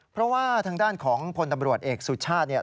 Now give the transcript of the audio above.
เพราะว่าทางด้านของพลตำรวจเอกสุชาติ